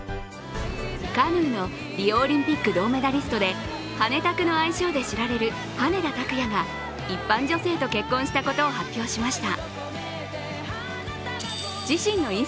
カヌーのリオオリンピック金メダリストで、ハネタクの愛称で知られる羽根田卓也が一般女性と結婚したことを発表しました。